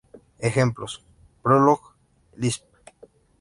Ejemplos: Prolog, Lisp.